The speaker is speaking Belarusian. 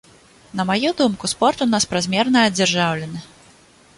На маю думку, спорт у нас празмерна адзяржаўлены.